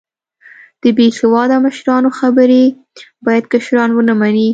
د بیسیواده مشرانو خبرې باید کشران و نه منې